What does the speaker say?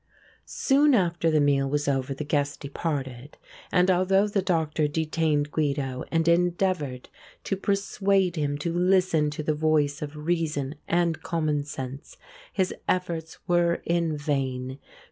Soon after the meal was over the guests departed, and although the Doctor detained Guido and endeavoured to persuade him to listen to the voice of reason and commonsense, his efforts were in vain.